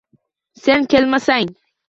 Sen kelmasang